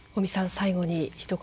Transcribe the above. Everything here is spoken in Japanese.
最後にひと言。